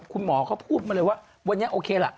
คุณหมอเขาพูดมาเลยว่าวันนี้โอเคล่ะ